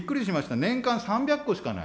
年間３００戸しかない。